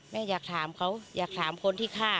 แม่อยากถามเขาอยากถามคนที่ฆ่า